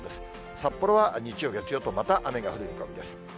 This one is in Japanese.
札幌は日曜、月曜とまた雨が降る見込みです。